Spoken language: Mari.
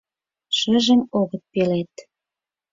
Шыжым огыт пелед.